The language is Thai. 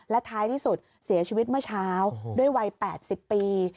และท้ายที่สุดเสียชีวิตเมื่อเช้าด้วยวัย๘๐ปี